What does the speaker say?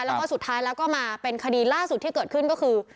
แล้วก็สุดท้ายแล้วก็มาเป็นคดีล่าสุดที่เกิดขึ้นก็คือ